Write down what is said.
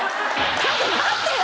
ちょっと待ってよ！